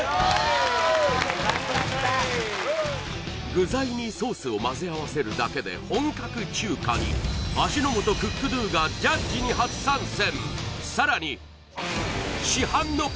具材にソースをまぜあわせるだけで本格中華に味の素クックドゥがジャッジに初参戦